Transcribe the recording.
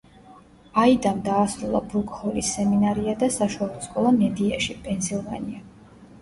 აიდამ დაასრულა ბრუკ ჰოლის სემინარია და საშუალო სკოლა მედიაში, პენსილვანია.